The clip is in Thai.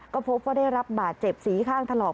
ก็พบว่าได้รับบาดเจ็บสีข้างถลอก